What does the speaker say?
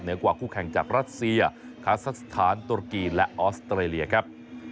กว่าคู่แข่งจากรัสเซียคาซักสถานตุรกีและออสเตรเลียครับ